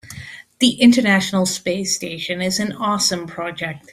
The international space station is an awesome project.